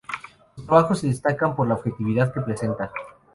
Sus trabajos se destacan por la objetividad que presenta.